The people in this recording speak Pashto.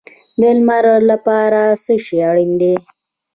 د لمر لپاره څه شی اړین دی؟